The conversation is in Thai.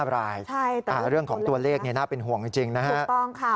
เรื่องของตัวเลขน่าเป็นห่วงจริงนะฮะถูกต้องค่ะ